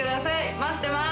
待ってます！